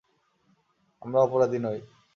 আমরা অপরাধী নই।